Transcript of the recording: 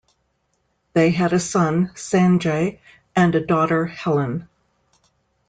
They had a son, Sanjay, and a daughter, Helen.